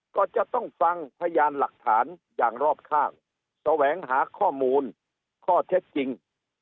ก็จะต้องฟังพยานหลักฐานอย่างรอบข้างแสวงหาข้อมูลข้อเท็จจริง